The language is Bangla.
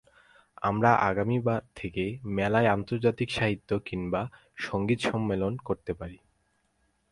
আমরা আগামীবার থেকে মেলায় আন্তর্জাতিক সাহিত্য কিংবা সংগীত সম্মেলন করতে পারি।